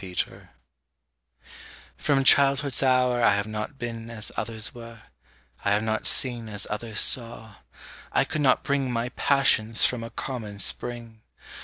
ALONE From childhood's hour I have not been As others were; I have not seen As others saw; I could not bring My passions from a common spring.